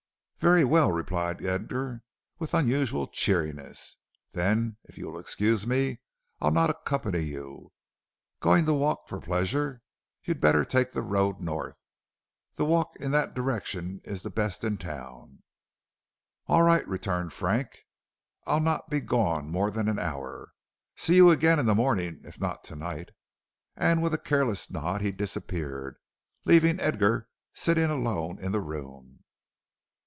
"Very well," replied Edgar, with unusual cheeriness. "Then if you will excuse me I'll not accompany you. Going to walk for pleasure? You'd better take the road north; the walk in that direction is the best in town." "All right," returned Frank; "I'll not be gone more than an hour. See you again in the morning if not to night." And with a careless nod he disappeared, leaving Edgar sitting alone in the room.